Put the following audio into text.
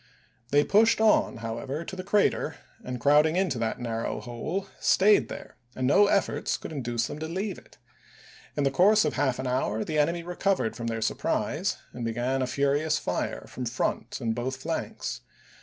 P. 182. They pushed on, however, to the crater, and crowd ing into that narrow hole, stayed there, and no efforts could induce them to leave it. In the course of half an hour the enemy recovered from their surprise and began a furious fire from front and both flanks.